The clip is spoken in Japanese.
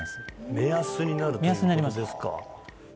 目安になるということですか